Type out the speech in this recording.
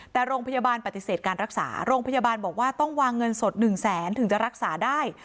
แต่โรงพยาบาลปฏิเสธการรักษาโรงพยาบาลบอกว่าต้องวางเงินสด๑แสนถึงจะรักษาได้